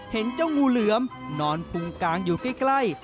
เห็นเจ้างูเหลือมนอนปุงกางอยู่ใกล้